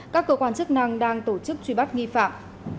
các cơ quan chức năng đang tổ chức truy bắt nghi phạm